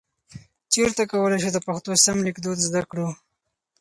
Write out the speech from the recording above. چیرته کولای شو د پښتو سم لیکدود زده کړو؟